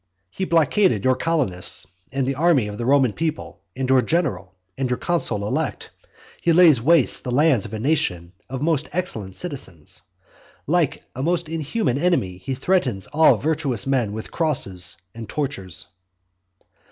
He blockaded your colonists, and the army of the Roman people, and your general, and your consul elect. He lays waste the lands of a nation of most excellent citizens. Like a most inhuman enemy he threatens all virtuous men with crosses and tortures.